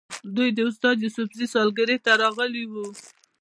دوی د استاد یوسفزي سالګرې ته راغلي وو.